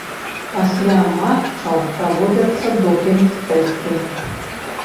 Пасля матчаў праводзяцца допінг-тэсты.